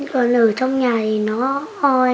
còn ở trong nhà thì nó hôi